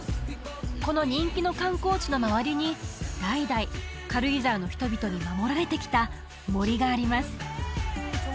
この人気の観光地の周りに代々軽井沢の人々に守られてきた森があります